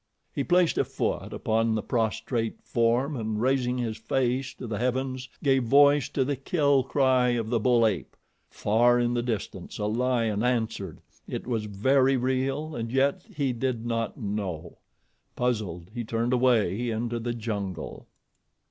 He placed a foot upon the prostrate form and raising his face to the heavens gave voice to the kill cry of the bull ape. Far in the distance a lion answered. It was very real and, yet, he did not know. Puzzled, he turned away into the jungle.